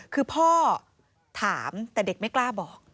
คือพ่อถามแต่เด็กไม่กล้าบอก